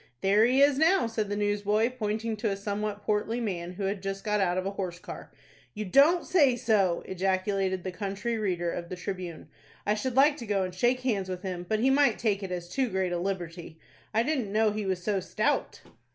"There he is now," said the newsboy, pointing to a somewhat portly man, who had just got out of a horse car. "You don't say so!" ejaculated the country reader of the "Tribune." "I should like to go and shake hands with him, but he might take it as too great a liberty. I didn't know he was so stout."